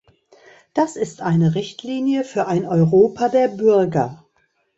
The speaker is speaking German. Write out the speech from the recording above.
Das ist eine Richtlinie für ein Europa der Bürger.